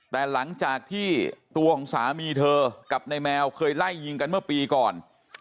แต่หลังจากที่ตัวของสามีเธอกับนายแมวเคยไล่ยิงกันเมื่อปีก่อน